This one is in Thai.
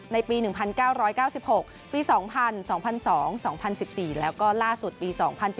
ในปี๑๙๙๖ปี๒๐๐๒๒๐๑๔แล้วก็ล่าสุดปี๒๐๑๙